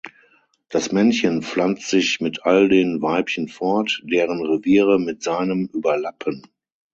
Das Männchen pflanzt sich mit all den Weibchen fort, deren Reviere mit seinem überlappen.